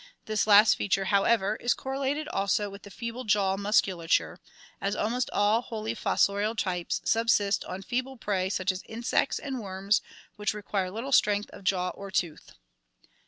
This last feature, however. 310 ORGANIC EVOLUTION is correlated also with the feeble jaw musculature, as almost afl wholly fossorial types subsist upon feeble prey such as insects and worms, which require little strength of jaw or tooth.